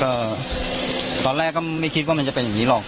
ก็ตอนแรกก็ไม่คิดว่ามันจะเป็นอย่างนี้หรอก